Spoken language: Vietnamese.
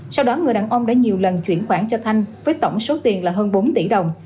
sau đó người đàn ông đã nhiều lần chuyển khoản cho thanh với tổng số tiền là hơn bốn tỷ đồng